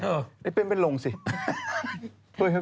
หรือว่าสิึ่งอาจจะต้องแบบอย่างนี้เปล่า